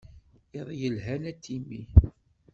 Iḍ yelhan a Timmy.